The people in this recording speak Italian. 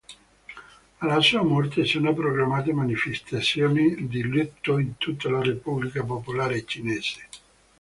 Alla sua morte sono proclamate manifestazioni di lutto in tutta la Repubblica Popolare Cinese.